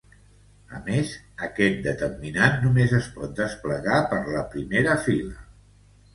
A més, este determinant només es pot desplegar per la primera fila.